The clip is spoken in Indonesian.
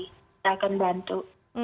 kita akan bantu